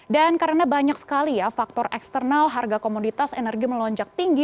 dan karena banyak sekali ya faktor eksternal harga komoditas energi melonjak tinggi